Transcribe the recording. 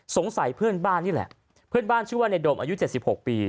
สงสัยเพื่อนบ้านนี่แหละเพื่อนบ้านชื่อว่าในโดมอายุ๗๖ปี